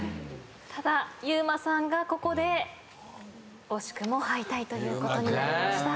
ただｙｕｍａさんがここで惜しくも敗退ということになりました。